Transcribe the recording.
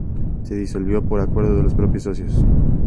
Se disolvió por acuerdo de los propios socios.